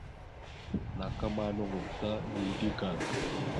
Naaka ma nòŋgov ta nʉʉde kal.